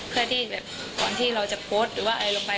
เพื่อที่แบบก่อนที่เราจะโพสต์หรือว่าอะไรลงไป